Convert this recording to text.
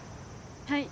はい。